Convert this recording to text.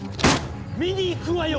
見に行くわよ！